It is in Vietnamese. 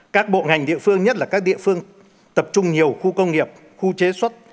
các bộ ngành địa phương nhất là các địa phương tập trung nhiều khu công nghiệp khu chế xuất